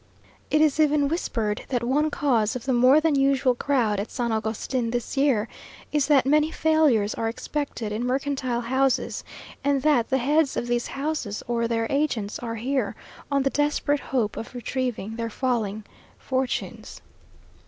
It is even whispered that one cause of the more than usual crowd at San Agustin this year, is that many failures are expected in mercantile houses, and that the heads of these houses or their agents are here on the desperate hope of retrieving their falling fortunes.